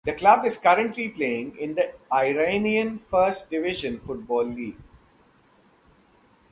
The club is currently playing in the Iranian First Division Football League.